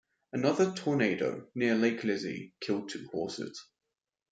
Another tornado, near Lake Lizzie, killed two horses.